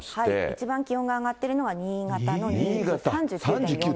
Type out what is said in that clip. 一番気温が上がってるのは新潟の新津３９．４度。